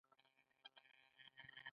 ایا زه د لمر ضد عینکې کارولی شم؟